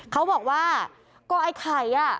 เขาบอกว่าก็ไอ้ไข่อ่ะ